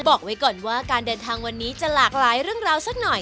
บอกไว้ก่อนว่าการเดินทางวันนี้จะหลากหลายเรื่องราวสักหน่อย